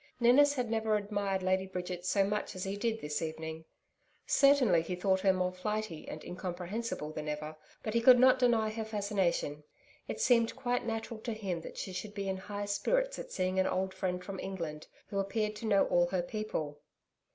Ninnis had never admired Lady Bridget so much as he did this evening. Certainly he thought her more flighty and incomprehensible than ever, but he could not deny her fascination. It seemed quite natural to him that she should be in high spirits at seeing an old friend from England, who appeared to know all her people.